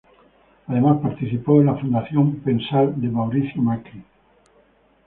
Además participó en la Fundación Pensar de Mauricio Macri.